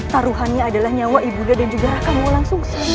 taruhannya adalah nyawa ibu dan juga rakammu langsung selesai